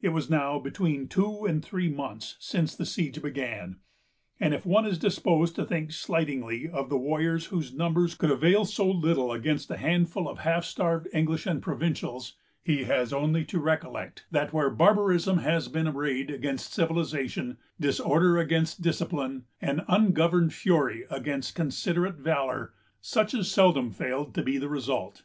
It was now between two and three months since the siege began; and if one is disposed to think slightingly of the warriors whose numbers could avail so little against a handful of half starved English and provincials, he has only to recollect, that where barbarism has been arrayed against civilization, disorder against discipline, and ungoverned fury against considerate valor, such has seldom failed to be the result.